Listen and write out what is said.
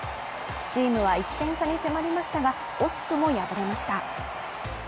チームは一点差に迫りましたが、惜しくも敗れました。